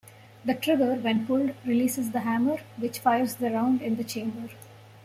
The trigger, when pulled, releases the hammer, which fires the round in the chamber.